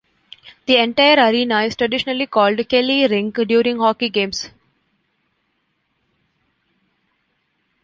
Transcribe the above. The entire arena is traditionally called "Kelley Rink" during hockey games.